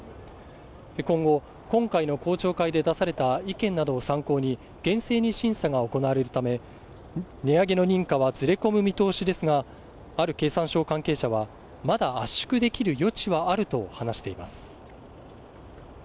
今後、今回の公聴会で出された意見などを参考に厳正に審査が行われるため、値上げの認可はずれ込む見通しですが、ある経産省関係者はまた圧縮できる余地はあると話しています。